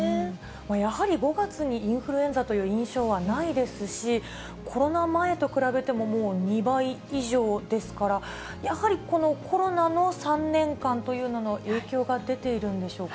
やはり５月にインフルエンザという印象はないですし、コロナ前と比べても、もう２倍以上ですから、やはりこのコロナの３年間というのの影響が出ているんでしょうか。